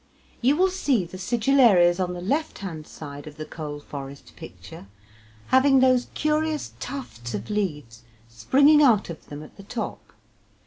You will see the Sigillarias on the left hand side of the coal forest picture, having those curious tufts of leaves springing out of them at the top.